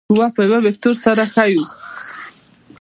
قوه په یو وکتور سره ښیو.